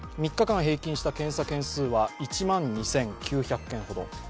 ３日間平均した検査件数は１万２９００件ほど。